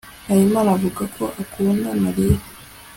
habimanaasi avuga ko akunda mariya